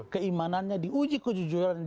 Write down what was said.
keimanannya di uji kejujurannya